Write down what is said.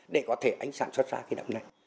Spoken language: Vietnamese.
để có thể sản xuất ra cái nấm này